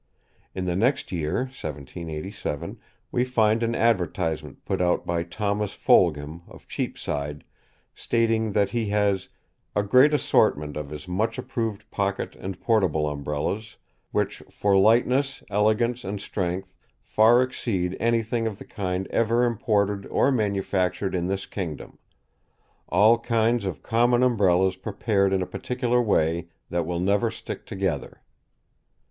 In the next year (1787) we find an advertisement put out by Thomas Folgham, of Cheapside, stating that he has "a great assortment of his much approved pocket and portable umbrellas, which for lightness, elegance, and strength, far exceed anything of the kind ever imported or manufactured in this kingdom. All kinds of common umbrellas prepared in a particular way, that will never stick together."